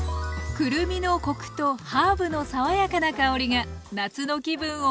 くるみのコクとハーブの爽やかな香りが夏の気分を盛り上げます。